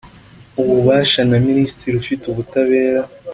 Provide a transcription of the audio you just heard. Ububasha na minisitiri ufite ubutabera